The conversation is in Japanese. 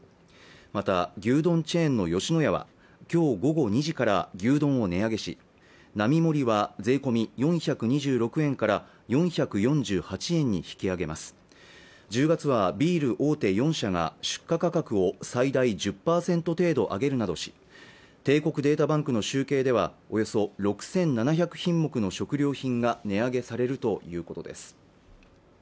また牛丼チェーンの吉野家は今日午後２時から牛丼を値上げし並盛は税込み４２６円から４４８円に引き上げます１０月はビール大手４社が出荷価格を最大１０％程度上げるなどし帝国データバンクの集計ではおよそ６７００品目の食料品が値上げされるということです